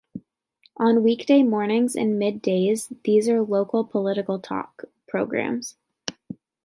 On weekday mornings and mid-days these are local political talk programs.